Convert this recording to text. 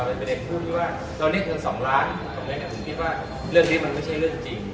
เราเรียกเงิน๒ล้านเรียกว่าเรื่องนี้มันไม่ใช่เรื่องจริง